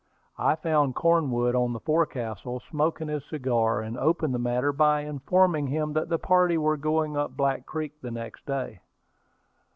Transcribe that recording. I found Cornwood on the forecastle, smoking his cigar, and opened the matter by informing him that the party were going up Black Creek the next day.